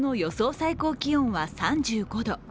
最高気温は３５度。